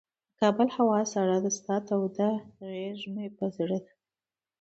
د کابل هوا سړه ده، ستا توده غیږ مه په زړه ده